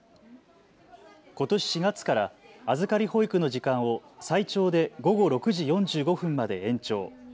ことし４月から預かり保育の時間を最長で午後６時４５分まで延長。